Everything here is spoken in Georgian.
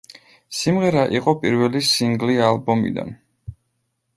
სიმღერა იყო პირველი სინგლი ალბომიდან.